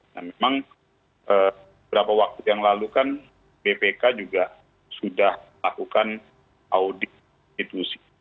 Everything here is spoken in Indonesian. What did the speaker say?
nah memang beberapa waktu yang lalu kan bpk juga sudah melakukan audit institusi